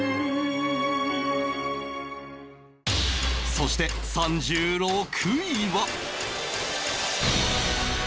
そして３６位は